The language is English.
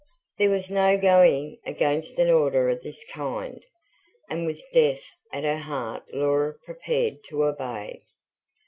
There was no going against an order of this kind, and with death at her heart Laura prepared to obey.